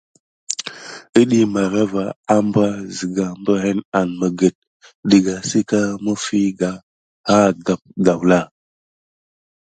Iɗiy màrava ambra zəga mbrayin an məget dəga səka məfiga ha gape gawla.